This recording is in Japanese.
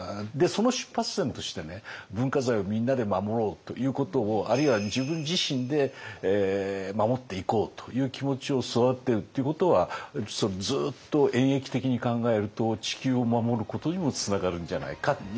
その出発点として文化財をみんなで守ろうということをあるいは自分自身で守っていこうという気持ちを育てるっていうことはずっと演えき的に考えると地球を守ることにもつながるんじゃないかなと思いますね。